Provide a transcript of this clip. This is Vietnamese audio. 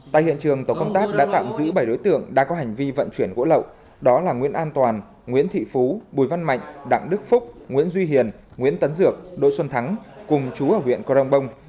tại hiện trường tổ công tác đã tạm giữ bảy đối tượng đang có hành vi vận chuyển gỗ lậu đó là nguyễn an toàn nguyễn thị phú bùi văn mạnh đặng đức phúc nguyễn duy hiền nguyễn tấn dược đỗ xuân thắng cùng chú ở huyện crong bông